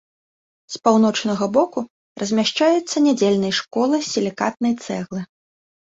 З паўночнага боку размяшчаецца нядзельнай школы з сілікатнай цэглы.